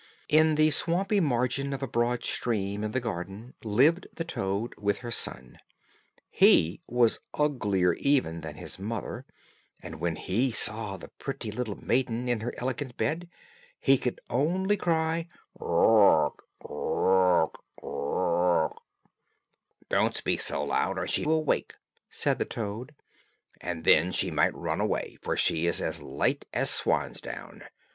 In the swampy margin of a broad stream in the garden lived the toad, with her son. He was uglier even than his mother, and when he saw the pretty little maiden in her elegant bed, he could only cry, "Croak, croak, croak." "Don't speak so loud, or she will wake," said the toad, "and then she might run away, for she is as light as swan's down.